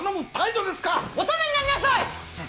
大人になりなさい！